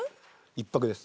１泊です。